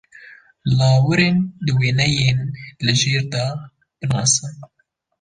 Lawirên di wêneyên li jêr de binasin.